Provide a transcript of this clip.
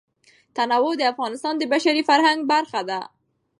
تنوع د افغانستان د بشري فرهنګ برخه ده.